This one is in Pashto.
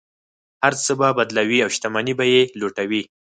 هر څه به بدلوي او شتمنۍ به یې لوټوي.